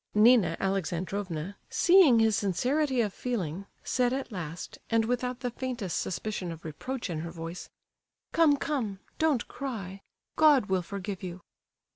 Nina Alexandrovna—seeing his sincerity of feeling—said at last, and without the faintest suspicion of reproach in her voice: "Come, come—don't cry! God will forgive you!"